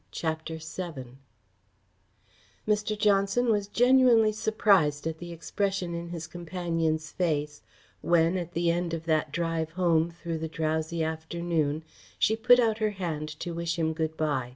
CHAPTER VII Mr. Johnson was genuinely surprised at the expression in his companion's face when, at the end of that drive home through the drowsy afternoon, she put out her hand to wish him good by.